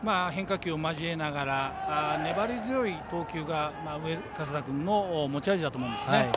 変化球を交えながら粘り強い投球が上加世田君の持ち味だと思うんですね。